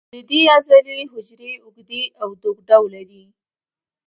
د دې عضلې حجرې اوږدې او دوک ډوله دي.